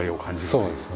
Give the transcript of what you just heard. そうですね。